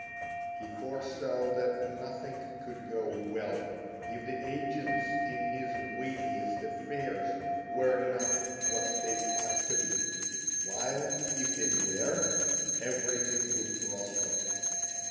He foresaw that nothing could go well if the agents in his weightiest affairs were not what they ought to be, while, if they were, everything would prosper.